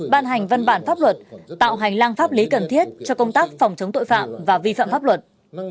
ban hành văn bản pháp luật tạo hành lang pháp lý cần thiết cho công tác phòng chống tội phạm và vi phạm pháp luật